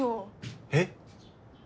えっ？